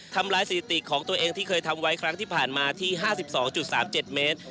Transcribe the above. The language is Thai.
ทำร้ายสถิติของตัวเองที่เคยทำไว้ครั้งที่ผ่านมาที่๕๒๓๗เมตร